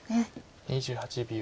２８秒。